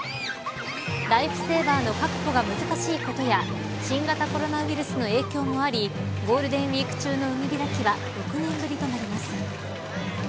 ライフセーバーの確保が難しいことや新型コロナウイルスの影響もありゴールデンウイーク中の海開きは６年ぶりとなります。